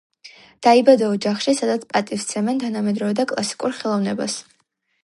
დაიბადა ოჯახში, სადაც პატივს სცემენ თანამედროვე და კლასიკურ ხელოვნებას.